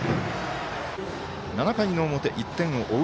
７回の表、１点を追う